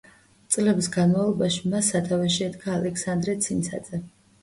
წლების განმავლობაში მას სათავეში ედგა ალექსანდრე ცინცაძე.